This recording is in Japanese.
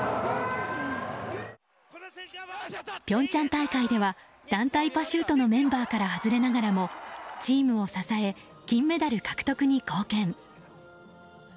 平昌大会では団体パシュートのメンバーから外れながらもチームを支え金メダル獲得に貢献。